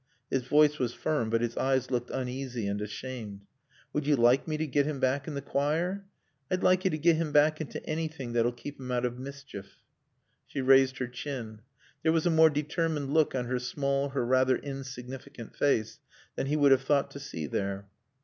His voice was firm, but his eyes looked uneasy and ashamed. "Would you like me to get him back in the choir?" "I'd like you to get him back into anything that'll keep him out of mischief." She raised her chin. There was a more determined look on her small, her rather insignificant face than he would have thought to see there.